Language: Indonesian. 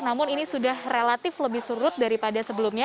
namun ini sudah relatif lebih surut daripada sebelumnya